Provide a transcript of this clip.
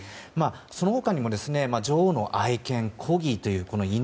その他にも女王の愛犬コーギーという犬。